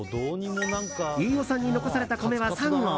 飯尾さんに残された米は３合。